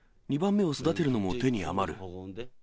２番目を育てるのも手に余る。